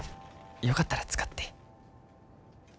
よかったら使って。